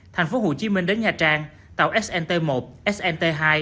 thành phố hồ chí minh đến nha trang tàu snt một snt hai